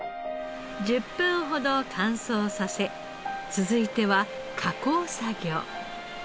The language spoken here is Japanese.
１０分ほど乾燥させ続いては加工作業。